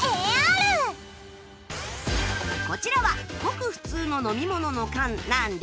こちらはごく普通の飲み物の缶なんですが